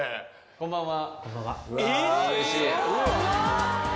こんばんは。